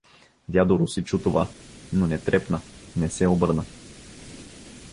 Дядо Руси чу това, но не трепна, не се обърна.